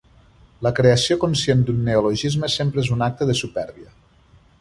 La creació conscient d'un neologisme sempre és un acte de supèrbia.